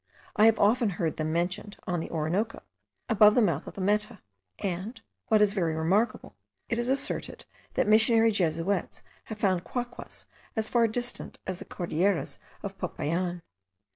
I have often heard them mentioned on the Orinoco, above the mouth of the Meta; and, what is very remarkable, it is asserted* that missionary Jesuits have found Quaquas as far distant as the Cordilleras of Popayan.